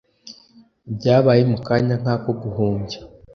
Byabaye mu kanya nk'ako guhumbya.